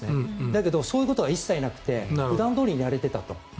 だけどそういうことが一切なくて普段どおりにやれていたと。